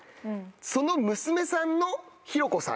その娘さんの尋子さん。